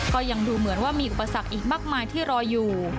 ก็ยังดูเหมือนว่ามีอุปสรรคอีกมากมายที่รออยู่